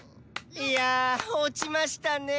・いや落ちましたねぇ。